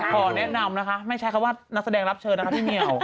ขอแนะนำนะคะไม่ใช้คำว่านักแสดงรับเชิญนะคะพี่เหมียว